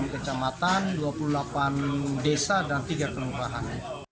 enam kecamatan dua puluh delapan desa dan tiga kelurahan